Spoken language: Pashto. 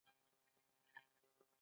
ایا زه باید په رڼا کې کینم؟